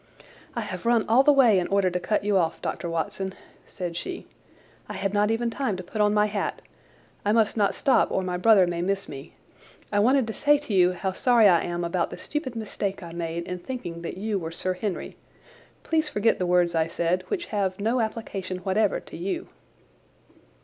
"I have run all the way in order to cut you off, Dr. Watson," said she. "I had not even time to put on my hat. I must not stop, or my brother may miss me. I wanted to say to you how sorry I am about the stupid mistake I made in thinking that you were Sir Henry. Please forget the words I said, which have no application whatever to you."